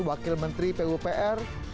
wakil menteri pupr